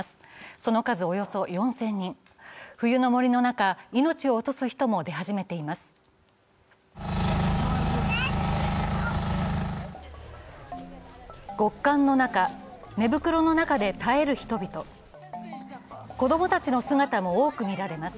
その数およそ４０００人、冬の森の中、命を落とす人も出始めています。